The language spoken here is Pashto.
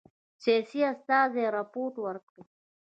سیاسي استازي رپوټ ورکړ.